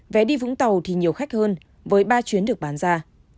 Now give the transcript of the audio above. vé đi vũng tàu thì nhiều khách hơn với ba chuyến được bán ra